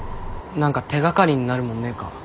何か手がかりになるものねえか？